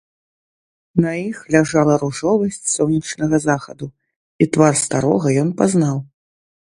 На іх ляжала ружовасць сонечнага захаду, і твар старога ён пазнаў.